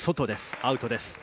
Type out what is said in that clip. アウトです。